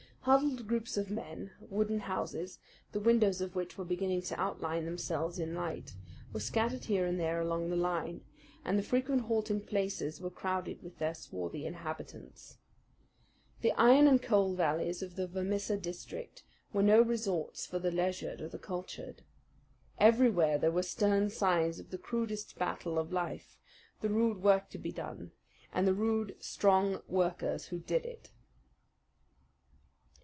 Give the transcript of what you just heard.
Huddled groups of mean, wooden houses, the windows of which were beginning to outline themselves in light, were scattered here and there along the line, and the frequent halting places were crowded with their swarthy inhabitants. The iron and coal valleys of the Vermissa district were no resorts for the leisured or the cultured. Everywhere there were stern signs of the crudest battle of life, the rude work to be done, and the rude, strong workers who did it.